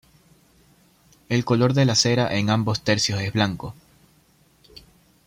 El color de la cera en ambos tercios es blanco.